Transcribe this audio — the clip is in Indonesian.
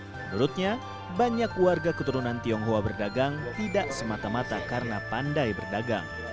menurutnya banyak warga keturunan tionghoa berdagang tidak semata mata karena pandai berdagang